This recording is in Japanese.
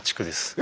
え